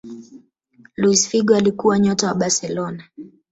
Luis Figo alikuwa nyota wa barcelona